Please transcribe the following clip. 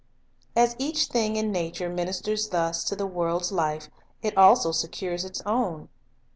As each thing in nature ministers thus to the world's life, it also secures its own.